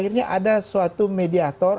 artinya ada suatu mediator